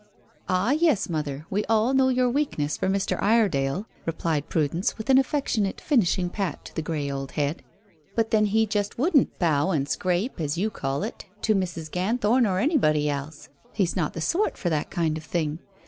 "Ah, yes, mother, we all know your weakness for Mr. Iredale," replied Prudence, with an affectionate finishing pat to the grey old head. "But then he just wouldn't 'bow and scrape,' as you call it, to Mrs. Ganthorn or anybody else. He's not the sort for that kind of thing.